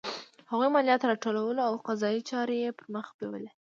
هغوی مالیات راټولول او قضایي چارې یې پرمخ بیولې.